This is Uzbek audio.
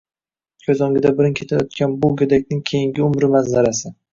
ko‘z o‘ngida birin-ketin o‘tgan bu go‘dakning keyingi umri manzarasi...